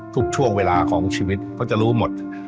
ทุกช่วงเวลาของชีวิตเขาจะรู้หมด